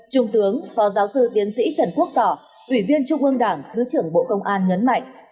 trung tướng phó giáo sư tiến sĩ trần quốc tỏ ủy viên trung ương đảng thứ trưởng bộ công an nhấn mạnh